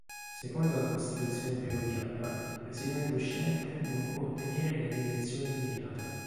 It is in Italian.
Secondo la Costituzione peruviana il Presidente uscente non può ottenere la rielezione immediata.